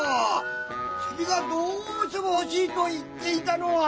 チビがどうしても欲しいと言っていたのは。